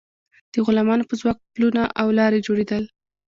د غلامانو په ځواک پلونه او لارې جوړیدل.